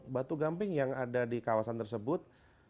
batu gamping yang ada di kawasan tersebut